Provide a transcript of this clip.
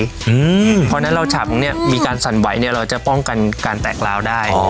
เพราะฉะนั้นเราชับมีการสั่นไหวเราจะป้องกันการแตกราวได้